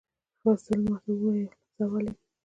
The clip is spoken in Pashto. فضل ماته وویل زه اول یم